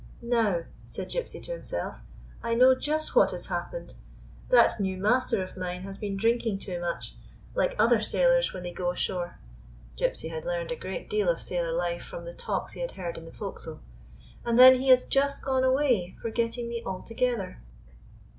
"Now," said Gypsy to himself, "I know just what has happened. That new master of mine has been drinking too much, like other sailors when they go ashore" — Gypsy had learned a great deal of sailor life from the talks he had heard in the forecastle — "and then he has just gone away, forgetting me altogether."